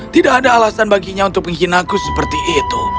tidak ada alasan baginya untuk mengkhina aku seperti itu